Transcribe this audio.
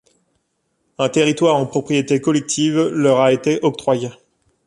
Un territoire en propriété collective leur a été octroyé.